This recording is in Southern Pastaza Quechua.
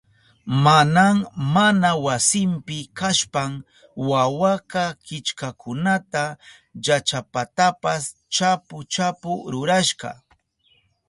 Maman mana wasinpi kashpan wawaka killkakunata llachapatapas chapu chapu rurashka.